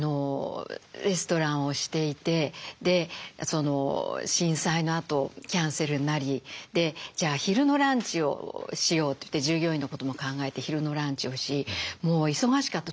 レストランをしていてで震災のあとキャンセルになりじゃあ昼のランチをしようといって従業員のことも考えて昼のランチをしもう忙しかった。